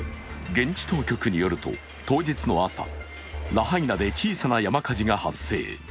現地当局によると、当日の朝ラハイナで小さな山火事が発生。